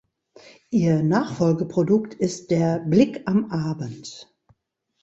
Ihr Nachfolgeprodukt ist der "Blick am Abend".